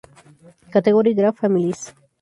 Category:Graph families